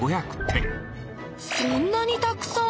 そんなにたくさん！